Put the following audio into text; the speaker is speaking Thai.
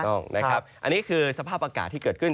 ต้องนะครับอันนี้คือสภาพอากาศที่เกิดขึ้น